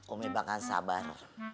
umi bakal sabar